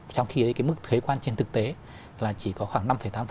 trong khi cái mức thuế quan trên thực tế là chỉ có khoảng năm tám